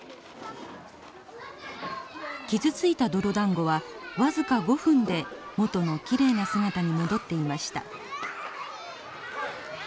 傷ついた泥だんごはわずか５分で元のきれいな姿に戻っていました。